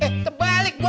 eh kebalik mami